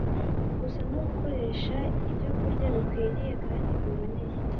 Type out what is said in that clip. gusa no gukoresha ibyokurya bikwiriye kandi biboneye.